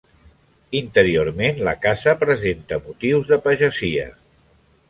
Interiorment la casa presenta motius de pagesia.